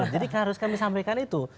jadi harus kami sampaikan itu